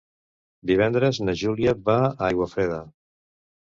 Divendres na Júlia va a Aiguafreda.